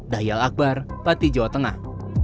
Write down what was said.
dahil akbar pati jawa tengah